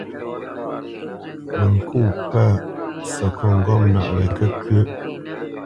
Mə ŋkô pə̂ səkôt ŋgɔ̂mnaʼ wɛ kə́kʉə́ʼ.